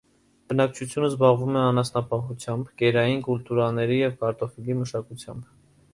Բնակչությունը զբաղվում է անասնապահությամբ, կերային կուլտուրաների և կարտոֆիլի մշակությամբ։